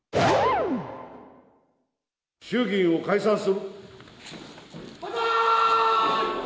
衆議院を解散する。